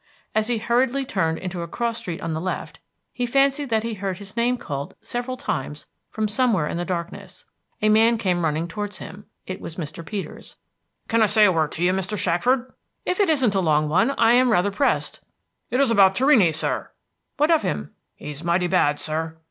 As he hurriedly turned into a cross street on the left, he fancied that he heard his name called several times from somewhere in the darkness. A man came running towards him. It was Mr. Peters. "Can I say a word to you, Mr. Shackford?" "If it isn't a long one. I am rather pressed." "It is about Torrini, sir." "What of him?" "He's mighty bad, sir."